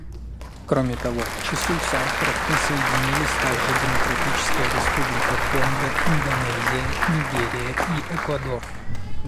Кроме того, к числу соавторов присоединились также Демократическая Республика Конго, Индонезия, Нигерия и Эквадор.